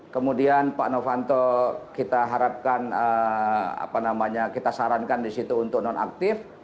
kemudian pak novanto kita harapkan apa namanya kita sarankan di situ untuk non aktif